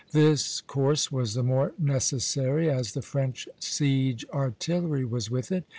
This course was the more necessary as the French siege artillery was with it.